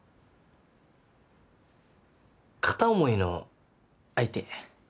片思いの相手。